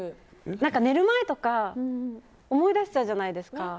寝るとか思い出しちゃうじゃないですか。